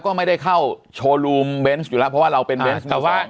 ก็ไม่ได้เข้าโชว์รูมเบนส์อยู่แล้วเพราะว่าเราเป็นเบนส์แต่ว่า